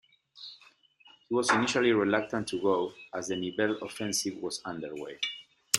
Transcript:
He was initially reluctant to go as the Nivelle Offensive was underway.